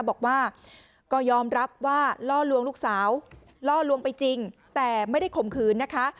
บอกว่าก็ยอมรับว่าล่อลวงลูกสาวล่อลวงไปจริงแต่ไม่ได้ข่มขืนนะคะ